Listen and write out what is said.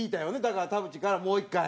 だから田渕からもう１回。